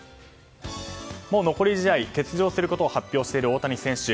残り試合、欠場することを発表している大谷選手。